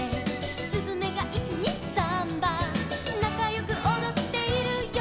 「すずめが１・２・サンバ」「なかよくおどっているよ」